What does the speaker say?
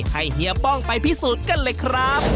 เฮียป้องไปพิสูจน์กันเลยครับ